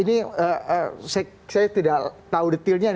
ini saya tidak tahu detailnya